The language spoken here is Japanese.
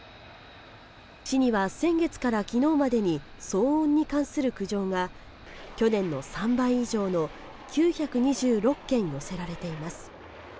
市には先月から昨日までに騒音に関する苦情が去年の３倍以上の９２６件寄せられています。